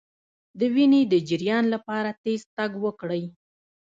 د وینې د جریان لپاره تېز تګ وکړئ